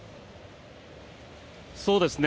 そうですね。